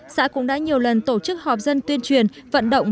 xã cũng đã nhiều lần tổ chức họp dân tuyên truyền vận động